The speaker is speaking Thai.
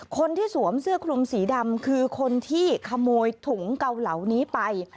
คนที่สวมเสื้อคลุมสีดำคือคนที่ขโมยถุงเกาเหล่านี้ไป